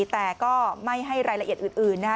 แต่ก็ไม่ให้รายละเอียดอื่นนะฮะ